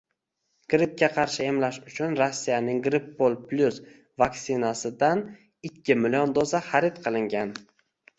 Grippga qarshi emlash uchun Rossiyaning Grippol Plyus vaksinasidanikkimillion doza xarid qilingan